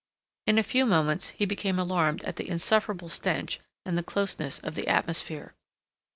In a few moments he became alarmed at the insufferable stench and the closeness of the atmosphere.